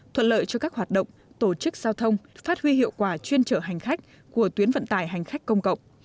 thuận lợi cho các hoạt động tổ chức giao thông phát huy hiệu quả chuyên trở hành khách của tuyến vận tải hành khách công cộng